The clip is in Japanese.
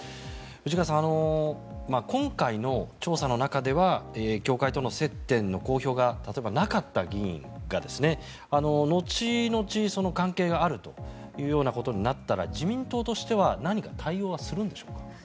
藤川さん、今回の調査の中では教会との接点の公表が例えばなかった議員が後々、関係があるということになったら自民党としては何か対応はするんでしょうか。